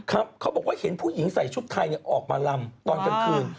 เขาบอกว่าเห็นผู้หญิงใส่ชุดไทยออกมาลำตอนกลางคืน